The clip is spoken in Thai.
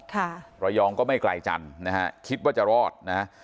ระยองก็ไม่ไกลจันทร์นะฮะคิดว่าจะรอดนะฮะ